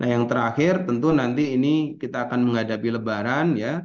yang terakhir tentu nanti ini kita akan menghadapi lebaran ya